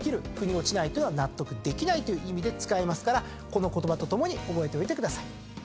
腑に落ちないは納得できないという意味で使いますからこの言葉と共に覚えといてください。